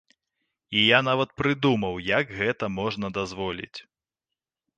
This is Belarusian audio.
І я нават прыдумаў, як гэта можна дазволіць.